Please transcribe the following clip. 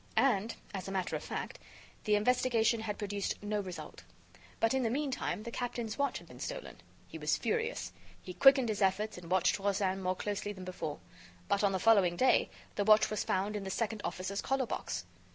And, as a matter of fact, the investigation had produced no result. But, in the meantime, the captain's watch had been stolen. He was furious. He quickened his efforts and watched Rozaine more closely than before. But, on the following day, the watch was found in the second officer's collar box.